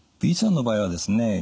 Ｂさんの場合はですね